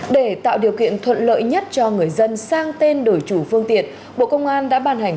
để tạo điều kiện thuận lợi nhất cho người dân sang tên đổi chủ phương tiện bộ công an đã ban hành